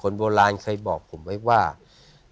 เก็บเงินซื้อพระองค์เนี่ยเก็บเงินซื้อพระองค์เนี่ย